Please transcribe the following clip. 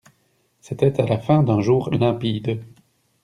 C'était à la fin d'un jour limpide.